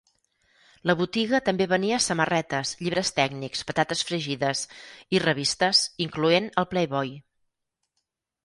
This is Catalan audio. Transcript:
La botiga també venia samarretes, llibres tècnics, patates fregides i revistes, incloent el "Playboy".